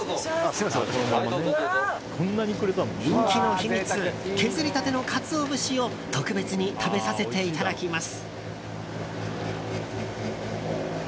人気の秘密削りたてのカツオ節を特別に食べさせていただきます。